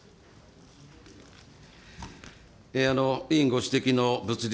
委員ご指摘の物流